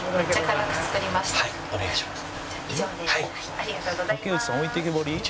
ありがとうございます。